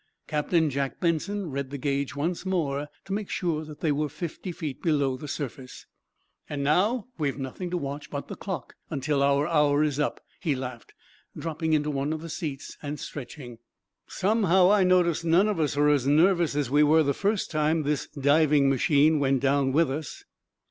Captain Jack Benson read the gauge once more, to make sure that they were fifty feet below the surface. "And now, we've nothing to watch but the clock, until our hour is up," he laughed, dropping onto one of the seats and stretching. "Somehow, I notice none of us are as nervous as we were the first time this diving machine went down with us."